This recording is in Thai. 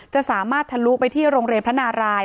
จะสามารถทะลุไปที่โรงเรียนพระนาราย